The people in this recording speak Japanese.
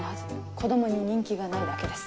子供に人気がないだけです。